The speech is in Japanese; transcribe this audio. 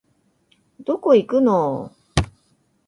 どこ行くのお